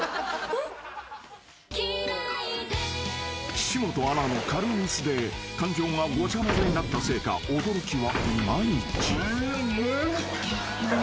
［岸本アナの軽ミスで感情がごちゃ混ぜになったせいか驚きはいまいち］